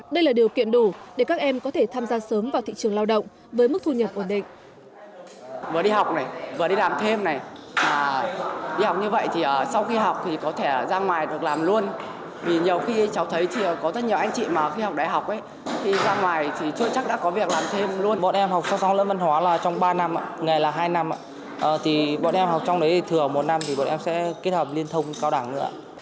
đây là điều kiện đủ để các em có thể tham gia sớm vào thị trường lao động với mức thu nhập ổn định